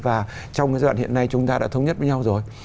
và trong cái giai đoạn hiện nay chúng ta đã thống nhất với nhau rồi